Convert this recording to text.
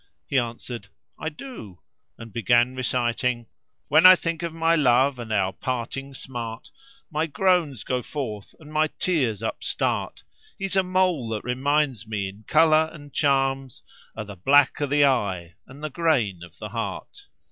He answered, "I do," and began reciting:— "When I think of my love and our parting smart, * My groans go forth and my tears upstart: He's a mole that reminds me in colour and charms * O' the black o' the eye and the grain [FN#485] of the heart."